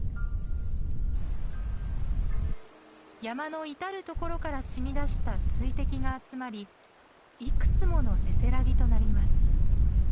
山の至る所から染み出した水滴が集まりいくつものせせらぎとなります。